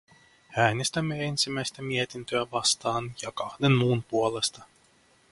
Äänestämme ensimmäistä mietintöä vastaan ja kahden muun puolesta.